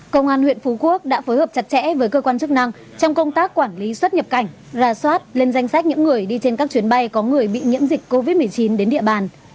công an huyện phú quốc đã phối hợp chặt chẽ với cơ quan chức năng trong công tác quản lý xuất nhập cảnh ra soát lên danh sách những người đi trên các chuyến bay có người bị nhiễm dịch covid một mươi chín đến địa bàn